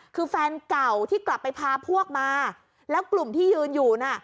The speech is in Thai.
คือแฟนเก่าที่กลับไปพาพวกมาแล้วกลุ่มที่ยืนอยู่น่ะ